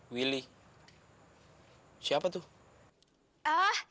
willy siapa tuh